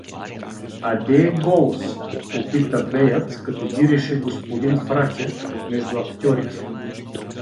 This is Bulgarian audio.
— А де е Голос? — попита беят, като диреше господин Фратя между актьорите.